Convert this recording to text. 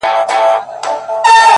زما خوبـونو پــه واوښـتـل؛